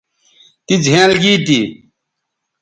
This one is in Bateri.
تی زھینئل گی تھی